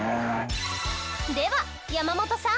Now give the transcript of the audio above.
では山本さん。